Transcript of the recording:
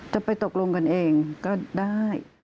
จะไปตกลงกันเองก็ได้